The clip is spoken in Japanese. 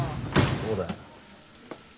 そうだよ。